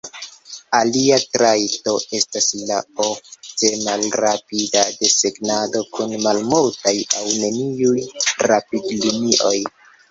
Alia trajto estas la ofte "malrapida" desegnado, kun malmultaj aŭ neniuj rapid-linioj.